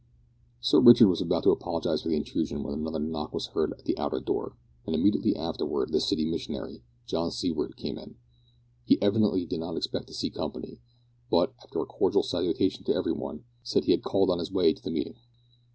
Sir Richard was about to apologise for the intrusion when another knock was heard at the outer door, and immediately after, the City Missionary, John Seaward, came in. He evidently did not expect to see company, but, after a cordial salutation to every one, said that he had called on his way to the meeting.